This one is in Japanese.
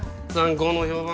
高の評判